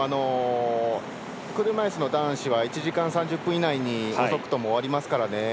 車いすの男子は１時間３０分以内に遅くとも終わりますからね。